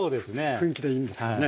雰囲気でいいんですかね？